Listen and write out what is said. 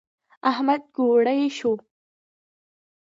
احمد ګوړۍ شو.